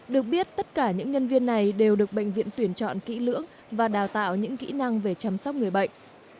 được biết tất cả những nhân viên này đều được bệnh viện tuyển chọn kỹ lưỡng và đào tạo những kỹ năng về chăm sóc người bệnh